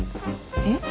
えっ？